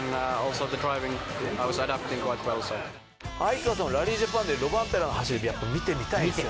哀川さんはラリージャパンでロバンペラの走りってやっぱ見てみたいですよね？